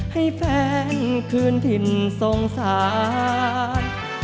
ให้แฟนคืนถิ่นสงสาร